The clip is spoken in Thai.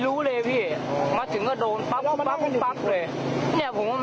รู้จักกลุ่มที่ทำร้ายไหม